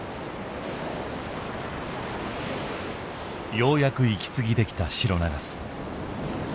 ようやく息継ぎできたシロナガス。